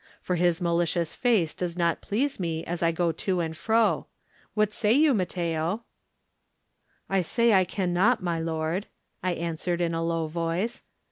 For his malicious face does not please me as I go to and fro. What say you, Matteo?" "I say I cannot, my lord," I answered in a low voice.